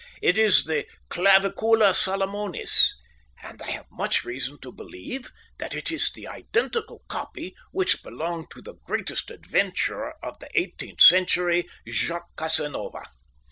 It is the Clavicula Salomonis; and I have much reason to believe that it is the identical copy which belonged to the greatest adventurer of the eighteenth century, Jacques Casanova.